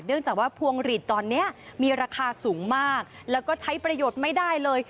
จากว่าพวงหลีดตอนนี้มีราคาสูงมากแล้วก็ใช้ประโยชน์ไม่ได้เลย